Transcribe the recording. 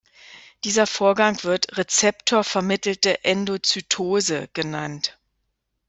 Dieser Vorgang wird "Rezeptor-vermittelte Endozytose" genannt.